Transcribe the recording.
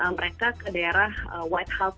mereka ke daerah white house